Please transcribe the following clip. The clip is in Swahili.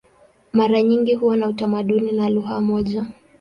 Mara nyingi huwa na utamaduni na lugha moja.